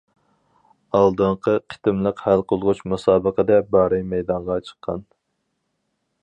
ئالدىنقى قېتىملىق ھەل قىلغۇچ مۇسابىقىدە بارى مەيدانغا چىققان.